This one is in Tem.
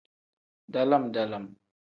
Dalam-dalam.